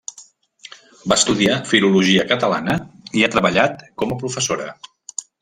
Va estudiar filologia catalana i ha treballat com a professora.